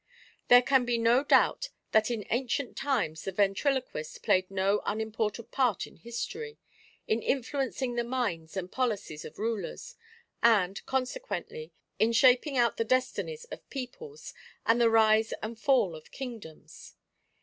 There can be no doubt that in ancient times the ventriloquist played no unimportant part in history, in influenc ing the minds and policies of rulers, and, consequently, in shaping maccabe's art of ventriloquism. 11 out the destinies of peoples, and the rise and fall of kingdoms.